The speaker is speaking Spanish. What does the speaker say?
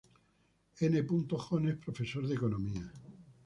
N. Jones profesor de economía.